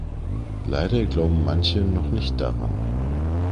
Leider glauben manche noch nicht daran.